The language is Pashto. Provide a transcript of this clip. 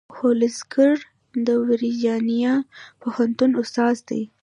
هولسینګر د ورجینیا پوهنتون استاد دی.